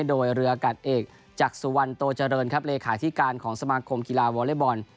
โดยเรืออากาศเอกจากสุวรรณโตเจริญครับเลขาธิการของสมาคมกีฬาวอเล็กบอล